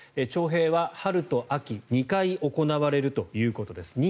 徴兵は春と秋の２回行われるということです。